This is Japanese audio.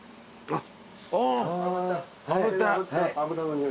あっ。